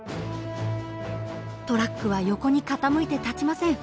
トラックは横に傾いて立ちません。